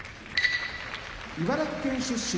茨城県出身